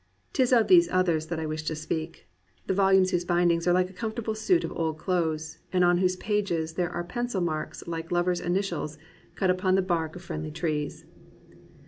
Tis of these others that I wish to speak, — the volumes whose bindings are hke a comfortable suit of old clothes and on whose pages there are pencil marks like lovers* initials cut upon the bark of friendly trees.